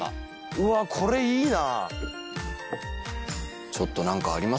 うわこれいいな！